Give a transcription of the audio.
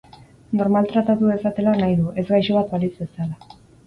Normal tratatu dezatela nahi du, ez gaixo bat balitz bezala.